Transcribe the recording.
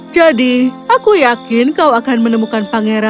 jadi aku yakin kau akan menemukan pangeran